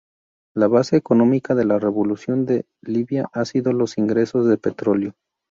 La base económica de la revolución de Libia ha sido los ingresos del petróleo.